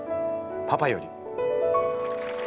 パパより」。